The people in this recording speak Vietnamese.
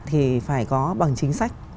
thì phải có bằng chính sách